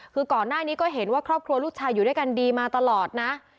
คือก่อนหน้านี้ก็เห็นว่าครอบครัวลูกชายอยู่ด้วยกันดีมาตลอดนะ